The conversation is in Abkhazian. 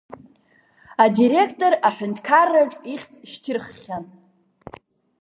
Адиректор аҳәынҭқарраҿ ихьӡ шьҭырххьан.